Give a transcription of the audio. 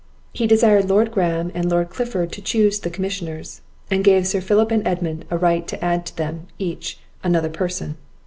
He desired Lord Graham and Lord Clifford to chuse the commissioners, and gave Sir Philip and Edmund a right to add to them, each, another person.